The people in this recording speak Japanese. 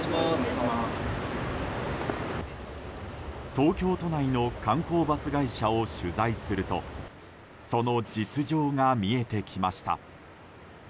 東京都内の観光バス会社を取材するとその実情が見えてきました。